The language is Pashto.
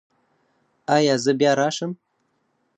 ایا زه بیا راشم؟